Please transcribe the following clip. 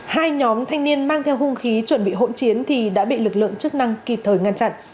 hai nhóm thanh niên mang theo hung khí chuẩn bị hỗn chiến thì đã bị lực lượng chức năng kịp thời ngăn chặn